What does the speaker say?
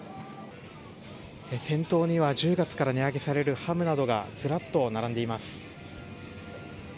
店頭には１０月から値上げされるハムなどがずらっと並んでいます。